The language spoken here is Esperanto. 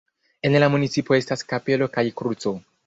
En la municipo estas kapelo kaj kruco.